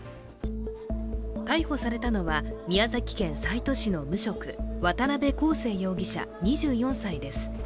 逮捕されたのは宮崎県西都市の無職渡邊好生容疑者、２４歳です。